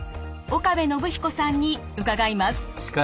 岡部信彦さんに伺います。